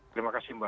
terima kasih mbak